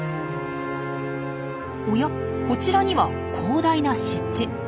おやこちらには広大な湿地。